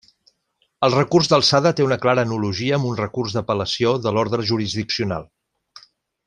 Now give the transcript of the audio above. El recurs d'alçada té una clara analogia amb un recurs d'apel·lació de l'ordre jurisdiccional.